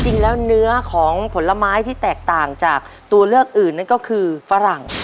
เนื้อของผลไม้ที่แตกต่างจากตัวเลือกอื่นนั่นก็คือฝรั่ง